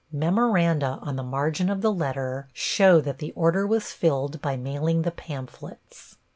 Memoranda on the margin of the letter show that the order was filled by mailing the pamphlets.